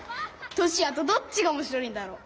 トシヤとどっちがおもしろいんだろう？